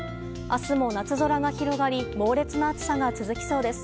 明日も夏空が広がり猛烈な暑さが続きそうです。